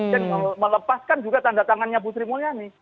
dan melepaskan juga tanda tangannya bu sri mulyani